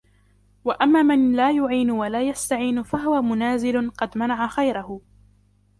وَأَمَّا مَنْ لَا يُعِينُ وَلَا يَسْتَعِينُ فَهُوَ مُنَازِلٌ قَدْ مَنَعَ خَيْرَهُ